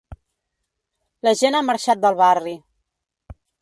La gent ha marxat del barri.